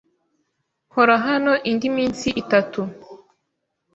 Nkora hano indi minsi itatu.